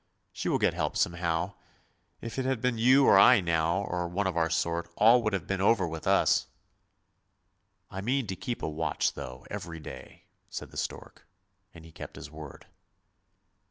She will get help somehow; if it had been you or I now, or one of our sort, all would have been over with us! "" I mean to keep a watch though, even day," said the stork, and he kept his word.